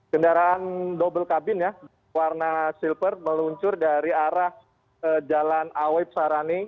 kendaraan double kabin ya warna silver meluncur dari arah jalan aweb sarani